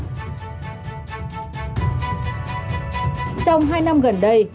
trong hai năm gần đây